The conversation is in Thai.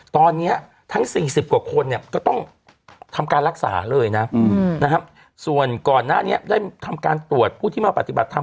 ตอนนี้ทั้ง๔๐กว่าคนเนี่ยก็ต้องทำการรักษาเลยนะส่วนก่อนหน้านี้ได้ทำการตรวจผู้ที่มาปฏิบัติธรรม